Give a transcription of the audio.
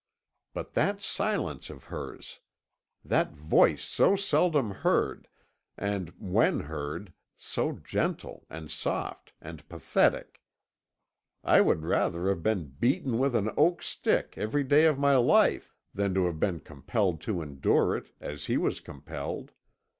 But that silence of hers! That voice so seldom heard, and, when heard, so gentle, and soft, and pathetic! I would rather have been beaten with an oak stick every day of my life than have been compelled to endure it, as he was compelled.